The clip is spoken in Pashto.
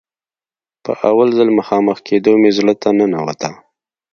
په اول ځل مخامخ کېدو مې زړه ته ننوته.